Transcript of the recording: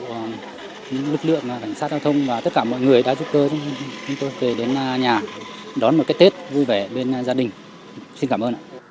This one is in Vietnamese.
và lực lượng cảnh sát giao thông và tất cả mọi người đã giúp chúng tôi về đến nhà đón một cái tết vui vẻ bên gia đình xin cảm ơn